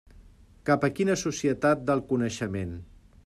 Cap a quina societat del coneixement.